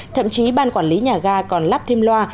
thậm chí ban quản lý nhà ga còn lắp thêm loa